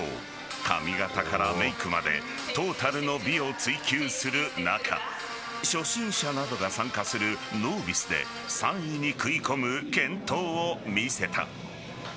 髪形からメイクまでトータルの美を追求する中初心者などが参加するノービスで３位に食い込む健闘を見せた。